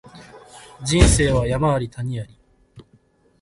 人生は山あり谷あり